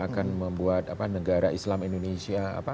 akan membuat negara islam indonesia